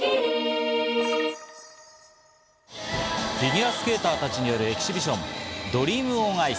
フィギュアスケーターたちによるエキシビション、ドリーム・オン・アイス。